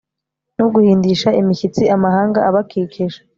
no guhindisha imishyitsi amahanga abakikije